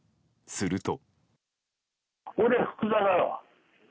すると。